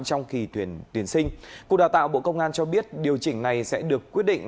trong kỳ tuyển sinh cục đào tạo bộ công an cho biết điều chỉnh này sẽ được quyết định